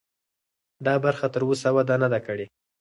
دا برخه تراوسه وده نه ده کړې.